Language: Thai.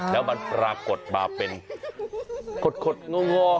แล้วมันปรากฏมาเป็นขดงอ